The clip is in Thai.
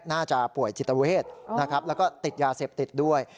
น่าจะป่วยจิตเวทนะครับแล้วก็ติดยาเสพติดด้วย